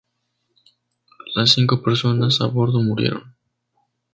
Las cinco personas a bordo murieron.